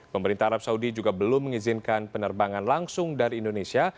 pemerintah arab saudi juga belum mengizinkan penerbangan langsung dari indonesia